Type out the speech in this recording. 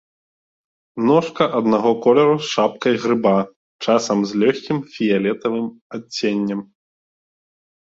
Ножка аднаго колеру з шапкай грыба, часам з лёгкім фіялетавым адценнем.